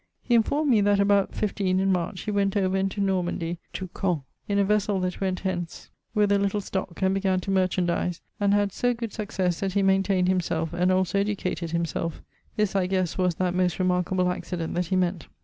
He enformed me that, about 15, in March, he went over into Normandy, to Caen, in a vessell that went hence, with a little stock, and began to merchandize, and had so good successe that he maintained himselfe, and also educated himselfe; this I guesse was that most remarkable accident that he meant.